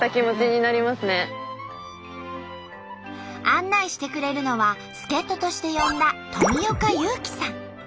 案内してくれるのは助っ人として呼んだ富岡勇樹さん。